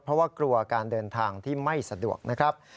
เพราะว่ากลัวการเดินทางที่ไม่สะดวกนะครับ